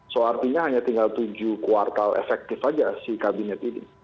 so artinya hanya tinggal tujuh kuartal efektif saja si kabinet ini